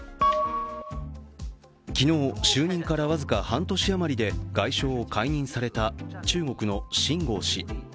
昨日、就任から僅か半年余りで外相を解任された中国の秦剛氏。